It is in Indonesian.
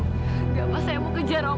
nggak papa saya mau kejar oma